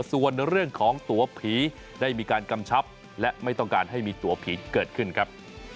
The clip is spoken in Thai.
ส่วนเรื่องของตัวผีได้มีการกำชับและไม่ต้องการให้มีตัวผีเกิดขึ้นครับ